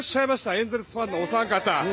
エンゼルスファンのお三方。